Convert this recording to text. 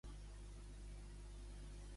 On ha explicat Colau les raons per no anar-hi?